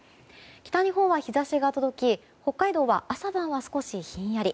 北日本は日差しが届き北海道は朝晩は少しひんやり